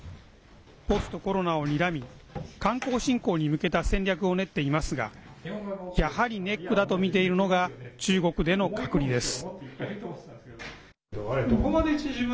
ポストコロナをにらみ観光振興に向けた戦略を練っていますがやはりネックだとみているのが中国での隔離です。